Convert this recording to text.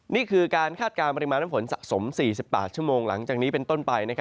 นี่คือการคาดการณ์ปริมาณน้ำฝนสะสม๔๘ชั่วโมงหลังจากนี้เป็นต้นไป